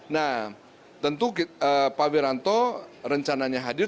nah tentu pak wiranto rencananya hadir